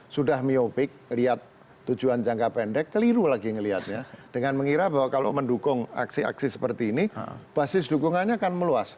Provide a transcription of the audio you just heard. sudah myopic lihat tujuan jangka pendek keliru lagi ngelihatnya dengan mengira bahwa kalau mendukung aksi aksi seperti ini basis dukungannya akan meluas